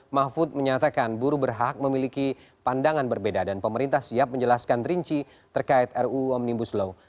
mahfud menyatakan buruh berhak memiliki pandangan berbeda dan pemerintah siap menjelaskan rinci terkait ruu omnibus law